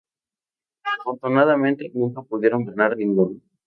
Desafortunadamente nunca pudieron ganar ninguno.